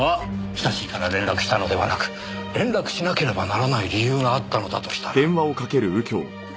親しいから連絡したのではなく連絡しなければならない理由があったのだとしたら。